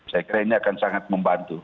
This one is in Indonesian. saya kira ini akan sangat membantu